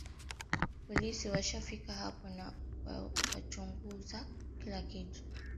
Polisi washafika hapa na wachunguza kila kitu